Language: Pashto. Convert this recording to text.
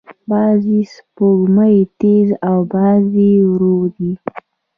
بعضې سپوږمۍ تیز او بعضې ورو دي.